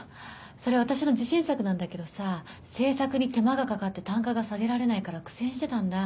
それ私の自信作なんだけどさ制作に手間がかかって単価が下げられないから苦戦してたんだ。